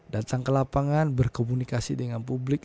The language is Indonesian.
dan sang kelapangan berkomunikasi dengan publik